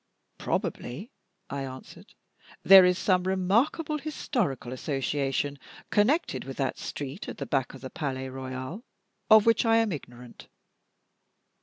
"Probably," I answered, "there is some remarkable historical association connected with that street at the back of the Palais Royal, of which I am ignorant."